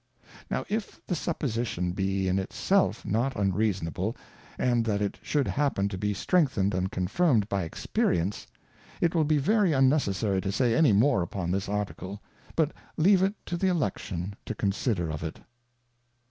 Now if the Supposition be in its self not unreasonable, and that it should happen to be strengthen'd and confirm'd by Experience, it will be very unnecessary to say any more upon this Article, but leave it to the Electors to consider of it.